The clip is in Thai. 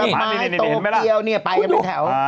เห็นไหมล่ะคุณดู